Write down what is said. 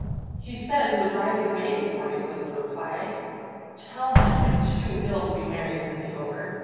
"He says the bride is waiting for you," was the reply. "Tell him I'm too ill to be married," said the Ogre.